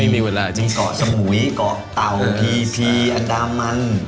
มีเกาะศมูยเกาะเตาเสียดังมัน